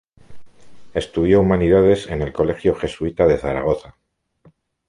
Estudió Humanidades en el colegio jesuita de Zaragoza.